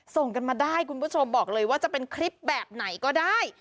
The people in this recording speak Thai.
ส่งกันมาได้คุณผู้ชมบอกเลยว่าจะเป็นคลิปแบบไหนก็ได้